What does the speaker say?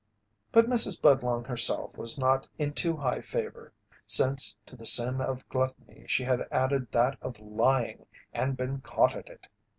But Mrs. Budlong herself was not in too high favour, since to the sin of gluttony she had added that of lying and been caught at it.